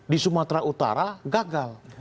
di sumatera utara gagal